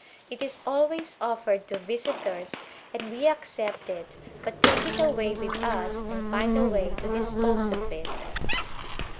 It is always offered to visitors, and we accept it, but take it away with us and find a way to dispose of it.